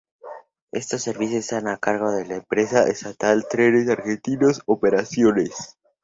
Estos servicios están a cargo de la empresa estatal Trenes Argentinos Operaciones.